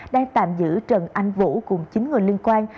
đang tạm giữ trần anh vũ cùng chín người liên quan